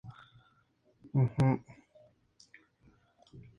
Este cuenta con seis auditorios y tres salas de usos múltiples.